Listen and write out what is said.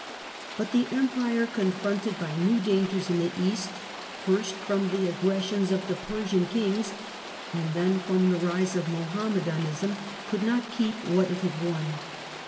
But the Empire, confronted by new dangers in the East, first from the aggressions of the Persian kings and] then from the rise of Mohammedanism, could not keep^ what it had won.